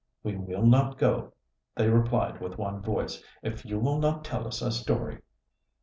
"We will not go," they replied with one voice, "if you will not tell us a story."